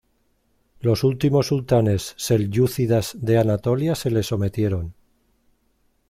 Los últimos sultanes selyúcidas de Anatolia se le sometieron.